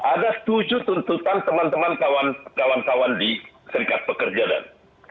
untuk pertanyaan pertanyaan teman teman kawan kawan di serikat pekerjaan